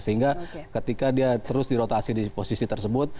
sehingga ketika dia terus dirotasi di posisi tersebut